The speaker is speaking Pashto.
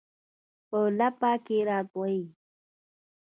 په لپه کې راټوي